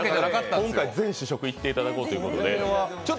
今回、全試食いっていただこうということで。